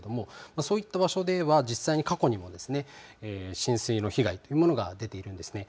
そういった場所では実際に過去にも浸水の被害というものが出ているんですね。